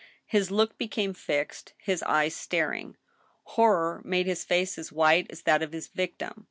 His look became fixed, his eyes staring. Horror made his face as white as that of his victim.